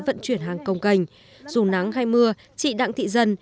vận chuyển hàng công cành dù nắng hay mưa trị đặng thị dân